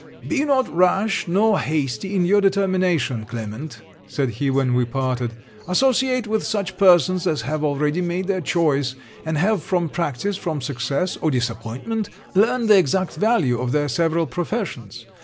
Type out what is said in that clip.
'Be not rash nor hasty in your determination, Clement,' said he when we parted. 'Associate with such persons as have already made their choice; and have from practice, from success, or disappointment, learned the exact value of their several professions.